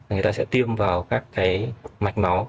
người ta sẽ tiêm vào các cái mạch máu